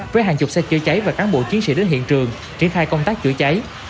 với hàng chục xe chữa cháy và cán bộ chiến sĩ đến hiện trường triển khai công tác chữa cháy